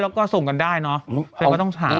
แล้วก็ส่งกันได้เนอะ